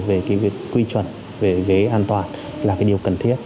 về cái quy chuẩn về ghế an toàn là cái điều cần thiết